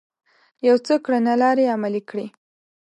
يو څه کړنلارې عملي کړې